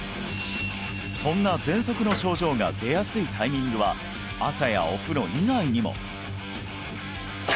そんな喘息の症状が出やすいタイミングは朝やお風呂以外にも！